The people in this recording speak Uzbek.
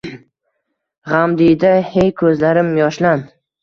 G’amdiyda, hey ko’zlarim, yoshlan!..